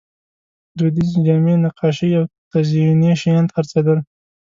دودیزې جامې، نقاشۍ او تزییني شیان خرڅېدل.